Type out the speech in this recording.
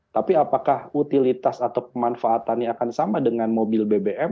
tapi apakah utilitas atau pemanfaatannya akan sama dengan mobil bbm